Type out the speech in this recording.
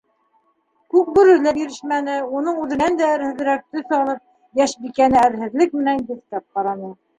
Күкбүре лә бирешмәне, уның үҙенән дә әрһеҙерәк төҫ алып, йәшбикәне әрһеҙлек менән еҫкәп ҡараны.